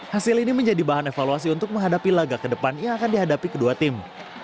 hasil ini menjadi bahan evaluasi untuk menghadapi laga ke depan yang akan dihadapi kedua tim